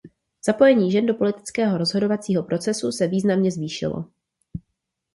Zapojení žen do politického rozhodovacího procesu se významně zvýšilo.